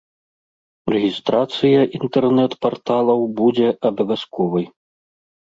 Рэгістрацыя інтэрнэт-парталаў будзе абавязковай.